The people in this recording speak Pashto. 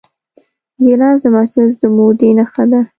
ګیلاس د مجلس د مودې نښه ده.